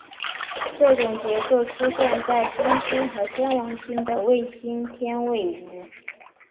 这种结构出现在金星和天王星的卫星天卫五。